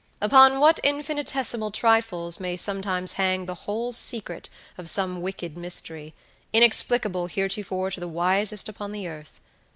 Upon what infinitesimal trifles may sometimes hang the whole secret of some wicked mystery, inexplicable heretofore to the wisest upon the earth!